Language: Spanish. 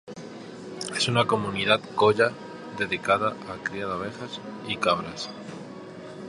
Es una comunidad kolla dedicada a la cría de ovejas y cabras.